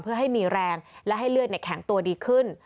เพื่อให้มีแรงและให้เลือดแข็งตัวดีขึ้น